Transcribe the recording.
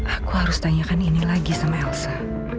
aku harus tanyakan ini lagi sama elsa